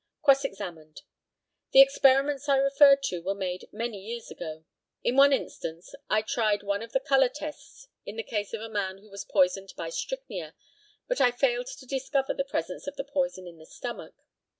Cross examined. The experiments I refer to were made many years ago. In one instance I tried one of the colour tests in the case of a man who was poisoned by strychnia, but I failed to discover the presence of the poison in the stomach.